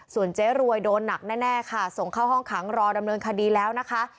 ส่วนเจ๊รวยโดนหนักแน่ค่ะส่งเข้าห้องขังรอดำเนินคดีแล้วนะคะ